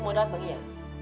mau datang ya